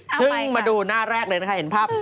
ก็บันให้ดูหน้าแรกเลยนะคะเห็นภาพ